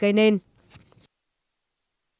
cảm ơn các bạn đã theo dõi